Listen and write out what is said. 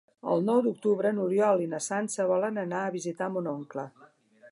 El nou d'octubre n'Oriol i na Sança volen anar a visitar mon oncle.